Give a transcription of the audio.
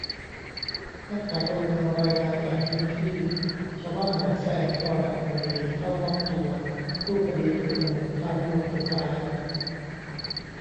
นักข่าวพลเมืองรายงานจากพื้นที่ ชาวบ้านหนองแซง สระบุรี เข้ามอบตัว สู้คดีปิดถนนค้านโรงไฟฟ้า